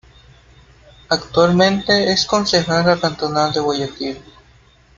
Actualmente es concejala cantonal de Guayaquil.